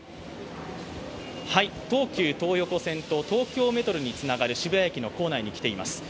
東急東横線と東京メトロにつながる渋谷駅に来ています。